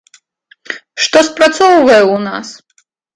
Што спрацоўвае ў нас?